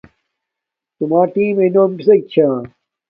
تُمݳ ٹݵٍمݵئ نݸم کِسݵک چھݳکݳ؟